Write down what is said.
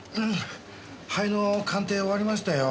灰の鑑定終わりましたよ。